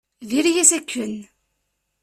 Diri-yas akken.